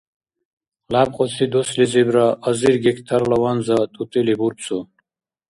Лябкьуси дуслизибра азир гектарла ванза тӀутӀили бурцу.